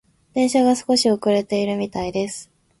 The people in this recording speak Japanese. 電車が少し遅れているみたいです。